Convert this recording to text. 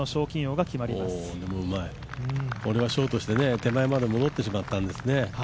うまいこれはショートして手前まで戻ってしまったんですね。